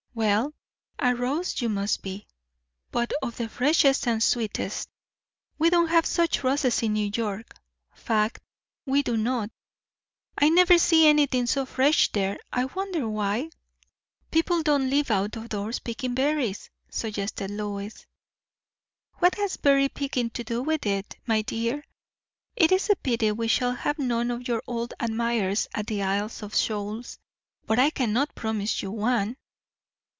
"Well, a rose you must be; but of the freshest and sweetest. We don't have such roses in New York. Fact, we do not. I never see anything so fresh there. I wonder why?" "People don't live out of doors picking berries," suggested Lois. "What has berry picking to do with it? My dear, it is a pity we shall have none of your old admirers at the Isles of Shoals; but I cannot promise you one.